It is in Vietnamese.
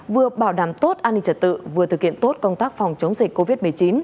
vừa bảo đảm tốt an ninh trật tự vừa thực hiện tốt công tác phòng chống dịch covid một mươi chín